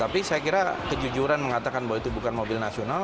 bima pembawa smk mengatakan bahwa ini bukan mobil nasional